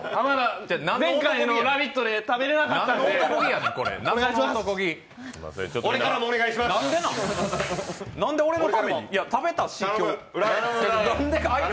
前回の「ラヴィット！」で食べられなかったので、浜田。